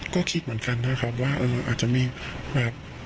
ก็คิดเหมือนกันนะครับว่าอาจจะมีแบบ